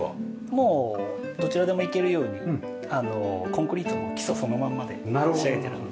もうどちらでもいけるようにコンクリートの基礎そのまんまで仕上げてるんで。